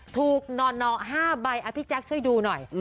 หน่อ๕ใบพี่แจ๊คช่วยดูหน่อย